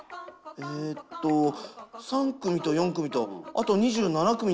えっと３組と４組とあと２７組のみんなにも。